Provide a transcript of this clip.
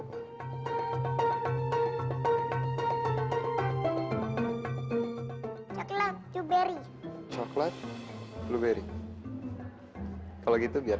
cokelat cuberi cokelat blueberry kalau gitu biar